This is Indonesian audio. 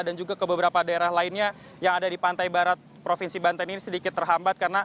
dan juga ke beberapa daerah lainnya yang ada di pantai barat provinsi banten ini sedikit terhambat